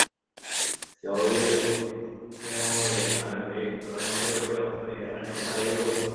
条裂鸢尾兰为兰科鸢尾兰属下的一个种。